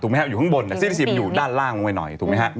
ถูกไหมฮะอยู่ข้างบนซีลิสีมอยู่ด้านล่างน้อยถูกไหมฮะ